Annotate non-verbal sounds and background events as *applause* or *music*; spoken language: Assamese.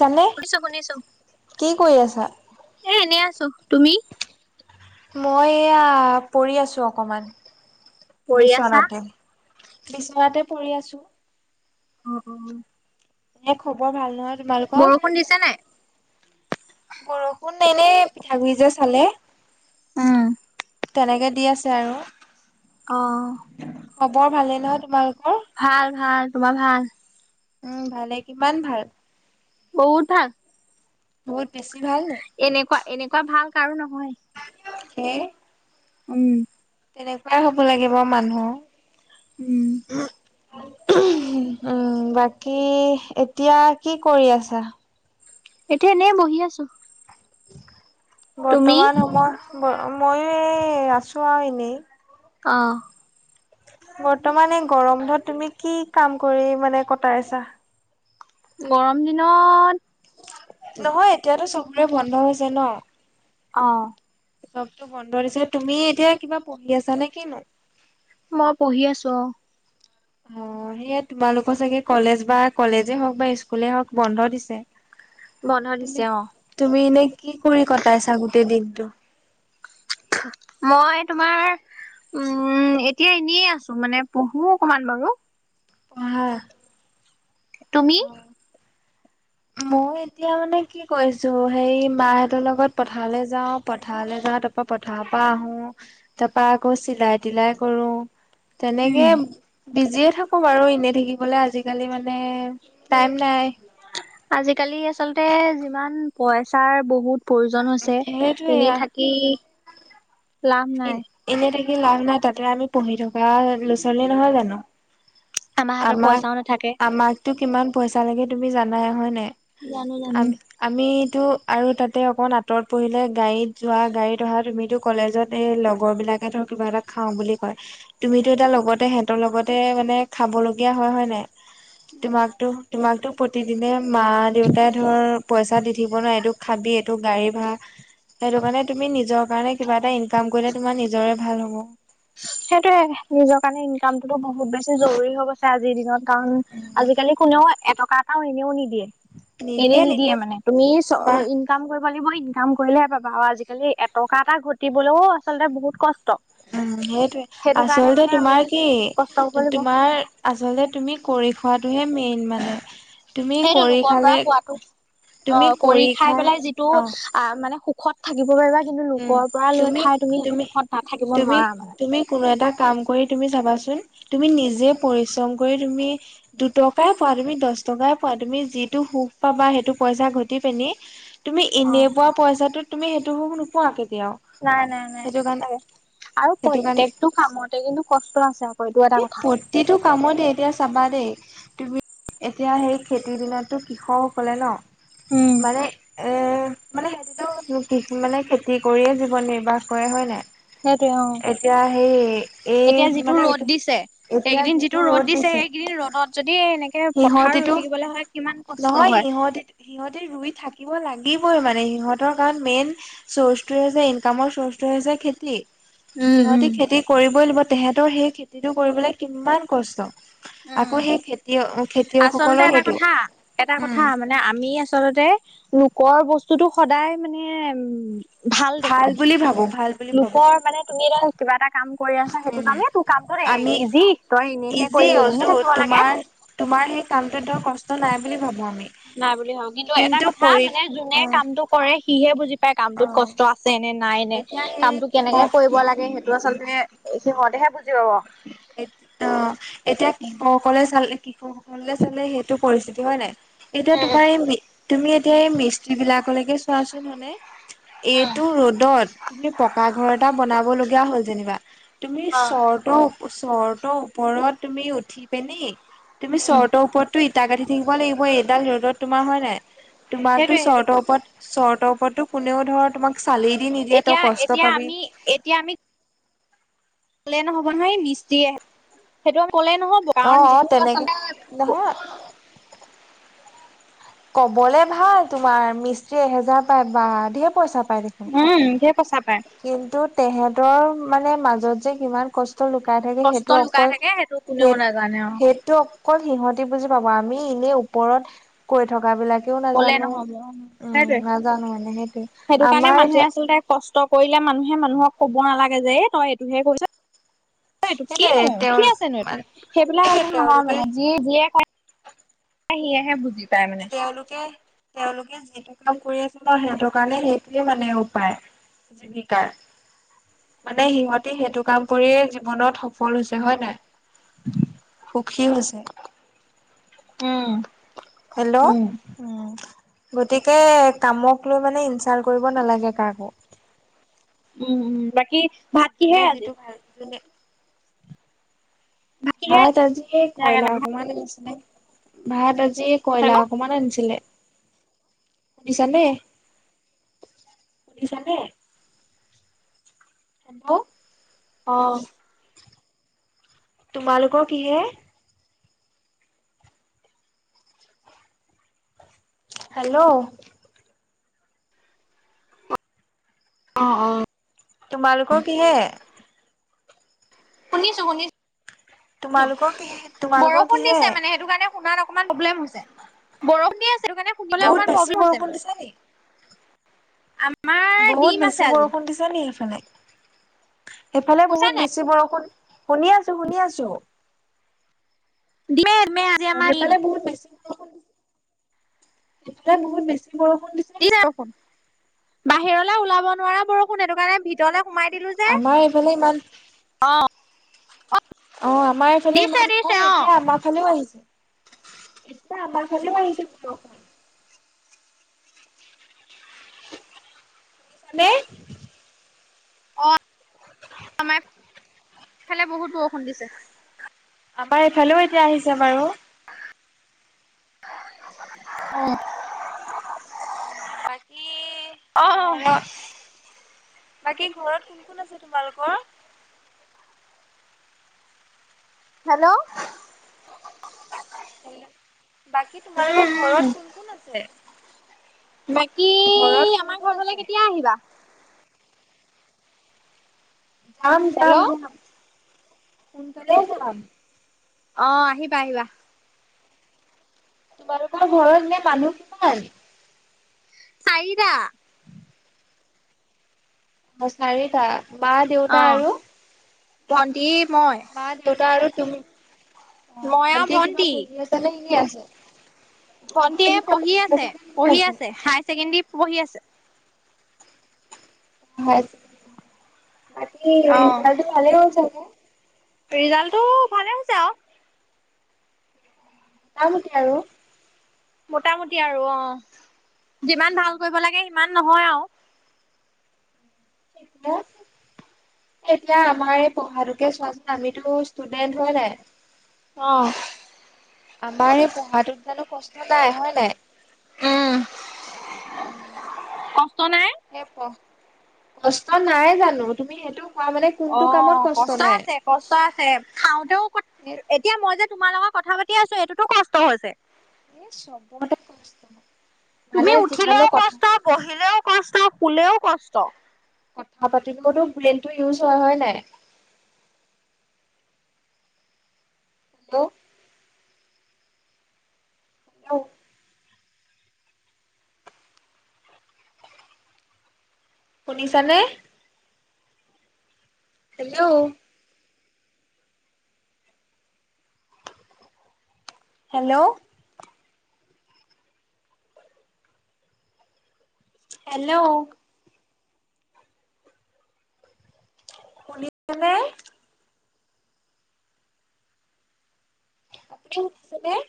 শুনিছা নে? শুনিছো শুনিছো। কি কৰি আছা? এ এনেই আছো, তুমি? মই এয়া পৰি আছো অকমান, কৰি আছা বিচনাতে- বিচনাতে পৰি আছো। অ অ অ। এ খবৰ ভাল নহয় তোমালোকৰ? বৰষুণ দিছে নাই বৰষুণ এনেই পিঠাগুড়ি যে চালে- উম। তেনেকে দি আছে আৰু। অঁহ। খবৰ ভালে নহয় তোমালোকৰ? ভাল ভাল, তোমাৰ ভাল? উম ভালে, কিমান ভাল? বহুত ভাল। বহুত বেছি ভাল। এনেকুৱা এনেকুৱা ভাল কাৰো নহয়। সেই - উম। তেনেকুৱাই হ'ব লাগিব মানুহ। উম। উম বাকী এতিয়া কি কৰি আছা? এতিয়া এনে বহি আছো। তুমি বৰ্তমান সময় মই এ আছো আৰু এনেই। অঁহ। বৰ্তমান এই গৰম ধত তুমি কি কাম কৰি মানে কটাইছা? গৰম দিনত- নহয় এতিয়াতো চবৰে বন্ধ হৈছে ন? অহ। চবতটো বন্ধ দিছে, তুমি এতিয়া কিবা পঢ়ি আছা নে কিনো? মই পঢ়ি আছো অ। অ সেয়া তোমালোকৰ চাগে কলেজ বা কলেজে হওক বা স্কুলে হওক বন্ধ দিছে। বন্ধ তুমি দিছে অ। তুমি এনে কি কৰি কটাইছা গোটেই দিনটো? মই তোমাৰ- উম এতিয়া এনেই আছো মানে পঢ়ো অকমান বাৰু। পঢ়া? তুমি- মই এতিয়া মানে কি। কি কৈছো সেই মাহঁতৰ লগত পথাৰলৈ যাওঁ পথাৰলৈ যাওঁ তাৰ পৰা পথাৰৰ পৰা আহো। তাপা আকৌ চিলাই তিলাই কৰোঁ উম তেনেকে। বিজিয়ে থাকো বাৰু এনেই থাকিবলে আজিকালি মানে টাইম নাই। আজিকালি আচলতে যিমান পইচাৰ বহুত প্ৰয়োজন হৈছে সেইটোয়ে এনে থাকি। কি লাভ নাই। এনেই থাকি লাভ নাই তাতে আমি পঢ়ি থকা ল' ছোৱালী নহয় জানো। আমাৰ হাতত আমাক পইচাও নাথাকে আমাকতো কিমান পইচা লাগে তুমি জানাই হয় নাই জানো আ। জানো আমিতো আৰু তাতে অকণমান আঁতৰত পহিলে গাড়ীত যোৱা গাড়ীত অহা তুমিতো। কলেজত এই লগৰ বিলাকে ধৰ কিবা এটা খাওঁ বুলি কয়। তুমিতো এতিয়া লগতে সিহতৰ লগতে মানে। খাব লগগীয়া হয় হয় নাই তোমাকো তোমাকতো। প্ৰতিদিনে মা দেউতাই ধৰ পইচা দি থাকিব নোৱ এইটো খাবি এইটো গাড়ী ভা়ৰা। সেইটো কাৰণে তুমি নিজৰ কাৰণে কিবা এটা ইনকাম কৰিলে তোমাৰ নিজৰে ভাল হ'ব। সেইটোয়ে নিজৰ কাৰণে ইনকামতটোতো বহুত বেছি জৰুৰী হৈ গৈছে আজিৰ দিনত কাৰণ আজিকালি। কোনেও এটকা এটাও এনেও নিদিয়ে এনে নিদিয়ে মানে তুমি চ তোমাৰ *inaudible* ইনকাম কৰিব লাগিব ইনকাম কৰিলেহে পাবা আৰু আজিকালি এটকা এটা ঘটিবলৈও আচলতে বহুত কষ্ট। উম সেইটোৱে সেইটো কাৰণে আচলতে মানে আমি তোমাৰ কি কষ্ট কৰিব লাগিব তোমাৰ। আচলতে তুমি কৰি খোৱাটোহে মেইন মানে তুমি সেইটো কৰি লোকৰ খালে পৰা পোৱাটো অ কৰি খাই পেলাই যিটো। অ আ মানে সুখত থাকিব পাৰিবা কিন্তু লোকৰ পৰা লৈ খাই তুমি সেইটো সুখত নাথাকিব তুমি নোৱাৰা মানে। তুমি কোনো এটা কাম কৰি তুমি চাবাচোন তুমি নিজে পৰিশ্ৰম কৰি তুমি। দুটকাই পোৱা তুমি দহ টকাই পোৱা তুমি যিটো সুখ পাবা সেইটো পইচা ঘটি পিনি। তুমি অ এনেই পোৱা পইচাটো তুমি সেইটো হ নোপোৱা কেতিয়াও। নাই নাই নাই সেইটো কাৰণে সঁচাকে আৰু সেইটো কাৰণে প্ৰত্যেকটো কামতে কিন্তু কষ্ট আছে। হয়টো এটা কথা। যিটো কামতে এতিয়া চাবা দেই। তুমি এতিয়া সেই খেতিৰ দিনতো কৃষকসকলে ন। উম মানে উম। মানে সেতিটোতো কি মানে খেতি কৰিয়ে জীৱন নিৰ্বাহ কৰে হয় নাই। সেইটোৱে অ। এতিয়া সেই এতিয়া এই যিটো মানে ৰ'দ এইটো। এতিয়া যিটো ৰ'দ দিছে। এই ৰ'দত যদি এনেকে পথাৰ ৰুই সিহঁতিতো থাকিবলে হয় কিমান কষ্ট নহয় হয়। সিহঁতি সিহঁতি ৰুই থাকিব লাগিবই মানে সিহঁতৰ কাৰণ মেইন। চ'ৰ্চটো হৈছে ইনকামৰ চ'ৰ্চটো হৈছে খেতি। উম উম। সিহঁতি খেতি কৰিবই লাগিব তেহেতৰ সেই খেতিটো কৰিবলৈ কিমান কষ্ট। উম আকৌ সেই খেত। আচলতে এটা কথা এটা কথা। উম মানে আমি আচলতে লোকৰ বস্তুতটো সদায় মানে উম। ভাল দেখো বুলি ভাবো ভাল বুলি ভাবো লোকৰ মানে তুমি এটা। কিবা এটা কাম কৰি আছা সেইটো উম কামেই তোৰ কামটো ন আমি ইজি তই এনেইহে কৰি। এনেহে থাকিব *inaudible* লাগে তোমাৰ তোমাৰ সেই কামটোত ধৰ কষ্ট নাই বুলি ভাবো আমি। নাই বুলি ভা কিন্তু এটা কথা কৰি মানে যোনে অ কামটো। কৰে সিহে বুজি পায় অ কামটোত কষ্ট আছে নে নাই নে এতিয়া সেই কামটো কৃষক অ কেনেকে কৰিব লাগে সে। টো আচলতে সিহঁতেহে বুজি পাব। অ এতিয়া কৃষক সকলে চাল কৃষক সকলে চালে সেইটো পৰিস্থিতি, হয় নাই? এতিয়া উম তোমাৰ এই মি তুমি এতিয়া এই মিস্ত্ৰী বিলাকলেকে চোৱাচোন হয়নে। এইটো ৰ'দত তুমি পকা ঘৰ এটা বনাব লগীয়া হ'ল যেনিবা তুমি অ চৰ্তৰ চৰ্তৰ ওপৰত তুমি উঠি পেনি তুমি চৰ্তৰ ওপৰতটো ইটা গাঁঠি থাকিব লাগিব এইডাল ৰ'দত, তোমাৰ হয় নাই? তোমাকতো সেইটোৱে সেইটোৱে চৰ্টৰ ওপৰত চৰ্টৰ ওপৰতো কোনেও ধৰ তোমাক চালি দি নিদিয়ে তই এতিয়া কষ্ট এতিয়া পাবি। আমি এতিয়া আমি কলে নহব নহয় এই মিস্ত্ৰীয়ে, সেইটো কলে নহব অ কাৰণ অ যিটো তেনেকে আচলতে নহয় কবলে ভাল তোমাৰ মিষ্ট্ৰীয়ে এহেজাৰ পায় বা ঢেৰ পইচা পায় দেখুন উম ঢেৰ পইচা পায়। কিন্তু তেহতৰ মানে মাজত যে কিমান কষ্ট লুকাই থাকে কষ্ট সেইটো লুকাই অকল থাকে সেইটো সেই কোনেও নাজানে আৰু সেই টো অকল সিহঁতি বুজি পাব, আমি এনেই ওপৰত কৈ থকা বিলাকে ও কলে নাজানো নহব উম সেইটোৱে নাজানো মানে সেইটোৱেই, সেইটো কাৰণে আমাৰ মানুহে এতিয়া আচলতে কষ্ট কৰিলে মানুহে মানুহক কব নালাগে যে এই তই এইটোহে কৰিছ। এইটো সেইটোৱে কিনো তেওঁ কি আছেনো এইটো, মানে সেইবিলাক সেইটোৱে আচল নহয় তেওঁলোকে মানে যি যিয়ে খাই সিয়েহে বুজে। তেওঁলোকে তেওঁলোকে যিটো কাম কৰি আছে ন সেইটো কাৰণে সেইটোৱে মানে উপায়। জীৱিকাৰ। মানে সিহঁতি সেইটো কাম কৰিয়ে জীৱনত সফল হৈছে, হয় নাই? সুখী হৈছে। উম। হেল্ল' উম উম্। গতিকে কামক লৈ মানে ইনচাল্ট কৰিব নালাগে কাকো। উম উম বাকী ভাত যোনে কিহে আজি যিটো ভাল যোনে ভাত আজি সেই কয়লা অকমান আনিছিলে, ভাত আজি কয়লা হেল্ল' অকমান আনিছিলে। উৰিছ নে উৰিছ নে? *unintelligible* হেল্ল'। অ। তোমালোকৰ কিহে? হেল্ল'। অঁ অঁ। তোমালোকৰ কিহে? শুনিছো শুনিছো, তোমালোকৰ কিহে? তোমালোকৰ বৰষুণ কিহে? দিছে মানে সেইটো কাৰণে শুনাত অকমান প্ৰব্লেম হৈছে, বৰষুণ দি আছে সেইটো কাৰণে শুনিবলে বহুত অকমান বেছি প্ৰব্লেম হৈছে। বৰষুণ দিছে নি? আমাৰ বহুত ডিম আছে বেছি আজি বৰষুণ দিছে নি সেইফালে? সেইফালে শুনিছা বহুত নাই বেছি বৰষুণ শুনি আছো, শুনি আছো। দিয়ে মে অ সেইফালে বহুত বেছি বৰষুণ দি সেইফালে বহুত বেছি বৰষুণ দিছে নি? *unintelligible* বাহিৰলে ওলাব নোৱাৰা বৰষুণ সেইটো কাৰণে ভিতৰলে সোমাই দিলো আমাৰ এইফালে ইমান আহ অ অ আমাৰ এফালে ইমান ক এতিয়া আমাক ফালেও আহিছে এতিয়া আমাৰ ফালেও আহিছে। কেনে অ আমাৰ ফালে বহুত বৰষুণ দিছে। আমাৰ এইফালেও এতিয়া আহিছে বাৰু। *unintelligible* বাকী অ। ঘৰত বাকী ঘৰত কোন কোন আছে তোমালোকৰ হেল্ল' হেল্ল বাকী তোমালোকৰ উম উম ঘৰত কোন কোন আছে বাকী ঘৰত কোন আমাৰ কোন ঘৰ আছে ফালে কেতিয়া আহিবা যাম যাম হেল্ল' যাম সোনকালে যাম অ', আহিবা আহিবা। তোমালোকৰ ঘৰত নে মানুহ কিমান চাৰিটা। অ চাৰিটা মা দেউতা আৰু। ভণ্টি মই মা দেউতা আৰু তুমি অ মই আৰু ভন্টি কিবা পঢ়ি আছে নে এনে আছে? ভণ্টি ভন্টিয়ে কিবা পঢ়ি আছে নে পঢ়ি আছে এনেই হায়াৰ ছেকেণ্ডেৰী পঢ়ি আছে হয় বাকী অ। ৰিজাল্টটো ভালে হল চাগে ৰিজাল্টটো ভালে হৈছে আৰু মুটামুটি আৰু মোটামুটি আৰু অ যিমান ভাল কৰিব লাগে সিমান নহয় আৰু। তিয়া এতিয়া আমাৰ এই পঢ়াতোকে চোৱা যে আমিতো ষ্টুডেন্ট হয় নাই। অ। আমাৰ এই পঢ়াটোত জানো কষ্ট নাই হয় নাই। উম কষ্ট নাই। স ক কষ্ট নাই জানো তুমি সেইটো কোৱা মানে? অ কোনটো কামত কষ্ট নাই আছে। কষ্ট আছে খাওতেও এ এতিয়া মই যে তোমাৰ লগত কথা পাতি আছো এইটোতো কষ্ট হৈছে স চবতে কষ্ট মানে তুমি যিমানো উঠিলেও কথা কষ্ট বহিলেও কষ্ট শুলেও কষ্ট। কথা পাতিব কতো ব্লেডটো ইউজ হয় হয় নাই হেল্ল', *unintelligible* শুনিছানে হেল্ল'? Hello hello? শুনিছেনে *unintelligible*